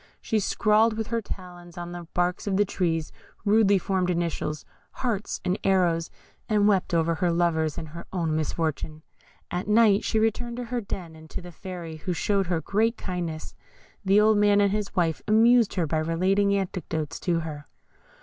She scrawled with her talons on the barks of the trees rudely formed initials, hearts and arrows, and wept over her lover's and her own misfortune. At night she returned to her den, and to the Fairy, who showed her great kindness. The old man and his wife amused her by relating anecdotes to her.